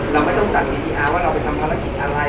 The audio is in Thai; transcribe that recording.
เราไม่ต้องจัดเวทีอาร์ว่าเราไปทำภารกิจอะไร